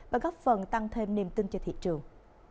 và góp phần tăng thêm niềm tin cho thị trường